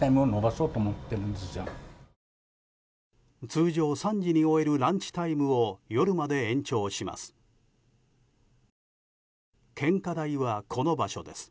通常３時に終えるランチタイムを夜まで延長します。